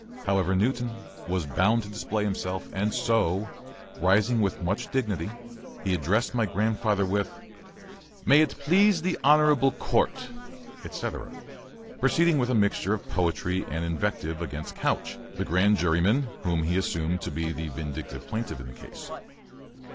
However, Newton was bound to display himself, and so, rising with much dignity, he addressed my grandfather with, "May it please the honorable court," etc., proceeding with a mixture of poetry and invective against Couch, the grand juryman whom he assumed to be the vindictive plaintiff in this case.